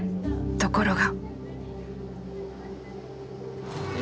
ところが。